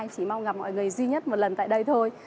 chỉ mong gặp mọi người duy nhất một lần tại đây thôi